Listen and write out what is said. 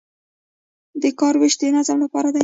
د کار ویش د نظم لپاره دی